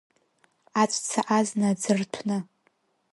Аҵәца азна аӡы рҭәны.